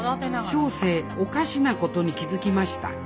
小生おかしなことに気付きました。